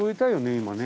今ね。